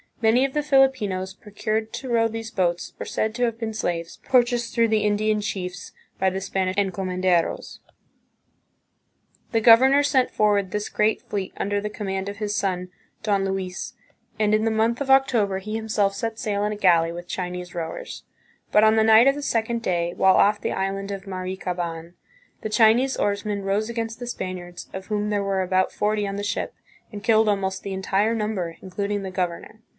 Many of the Filipinos, procured to row these boats, were said to have been slaves, purchased through the Indian chicis by the Spanish encomenderos. The CONQUEST AND SETTLEMENT, 1565 1600. 151 governor sent forward this great fleet under the command of his son, Don Luis, and in the month of October he him self set sail in a galley with Chinese rowers. But on the night of the second day, while off the island of Marikaban, the Chinese oarsmen rose against the Spaniards, of whom there were about forty on the ship, and killed almost the entire number, including the governor.